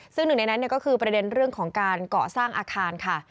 ซึ่งหนึ่งในนั้นก็คือประเด็นเรื่องของการเกาะสร้างอาคารค่ะ